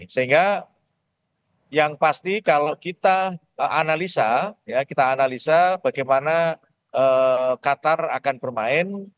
sehingga yang pasti kalau kita analisa ya kita analisa bagaimana qatar akan bermain